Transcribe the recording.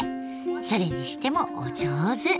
それにしてもお上手。